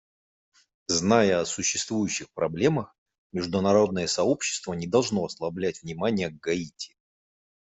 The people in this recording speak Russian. Зная о существующих проблемах, международное сообщество не должно ослаблять внимания к Гаити.